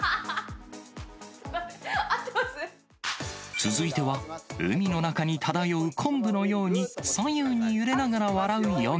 続いては、海の中に漂う昆布のように、左右に揺れながら笑うヨガ。